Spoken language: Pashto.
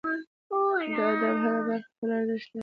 د ادب هره برخه خپل ارزښت لري.